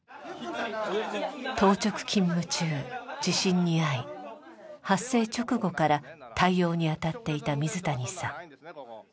当直勤務中地震に遭い発生直後から対応に当たっていた水谷さん。